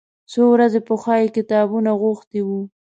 څو ورځې پخوا یې کتابونه غوښتي و.